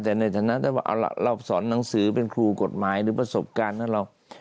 แต่ในฐานะที่เราสอนหนังสือเป็นครูกฎหมายหรือประสบการณ์ของเรา